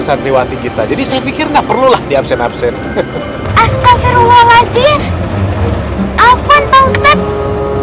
santriwati kita jadi saya pikir nggak perlulah di absen absen astagfirullahaladzim alfan pak ustadz